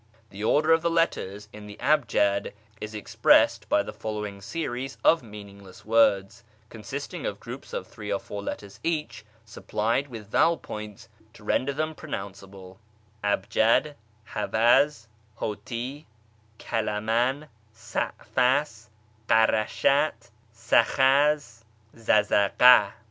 The order of the letters in the ahjad is expressed by the following series of meaningless words, con sisting of groups of three or four letters each supplied with vowel points to render them pronounceable :— ahjad, liavxiz, hoti, kalaman, sa'fas, karasliat, thakhadh (sakhaz) dhadhaf/ha {zazaglm).